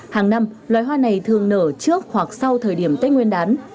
hàng năm loài hoa này thường nở trước hoặc sau thời điểm tết nguyên đán